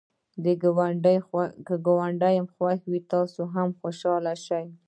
که ګاونډی خوښ وي، ته هم خوشحاله شه